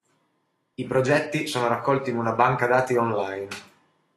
I progetti sono raccolti in una banca dati online.